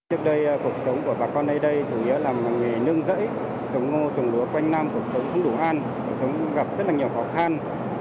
trước đây cuộc sống của bà con nơi đây chủ nghĩa là nghề nương rẫy trồng ngô trồng đúa quanh nam cuộc sống không đủ an cuộc sống gặp rất nhiều khó khăn